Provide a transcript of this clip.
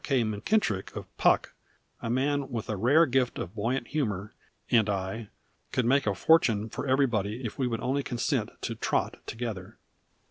K. Munkittrick of Puck, a man with a rare gift of buoyant humor, and I could make a fortune for everybody if we would only consent to "trot" together.